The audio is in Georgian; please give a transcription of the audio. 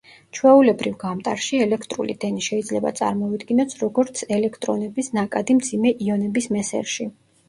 ჩვეულებრივ გამტარში, ელექტრული დენი შეიძლება წარმოვიდგინოთ როგორც ელექტრონების ნაკადი მძიმე იონების მესერში.